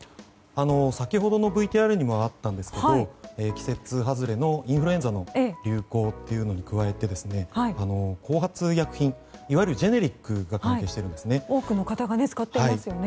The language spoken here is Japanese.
先ほどのＶＴＲにもありましたが季節外れのインフルエンザの流行というのに加えて後発医薬品いわゆるジェネリックが多くの方が使っていますね。